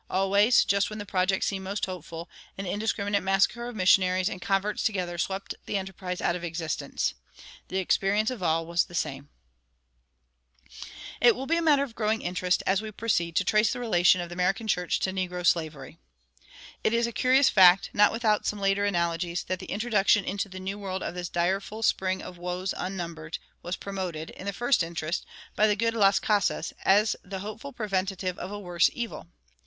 Always, just when the project seemed most hopeful, an indiscriminate massacre of missionaries and converts together swept the enterprise out of existence. The experience of all was the same."[151:1] It will be a matter of growing interest, as we proceed, to trace the relation of the American church to negro slavery. It is a curious fact, not without some later analogies, that the introduction into the New World of this "direful spring of woes unnumbered" was promoted, in the first instance, by the good Las Casas, as the hopeful preventive of a worse evil.